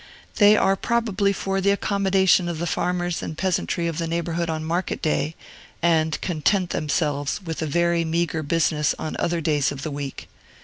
These are probably for the accommodation of the farmers and peasantry of the neighborhood on market day, and content themselves with a very meagre business on other days of the week.